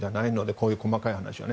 こういう細かい話は。